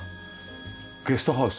ゲストハウス。